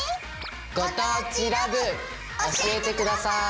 「ご当地ＬＯＶＥ」教えて下さい！